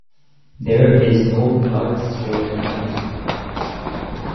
There is no large scale industry.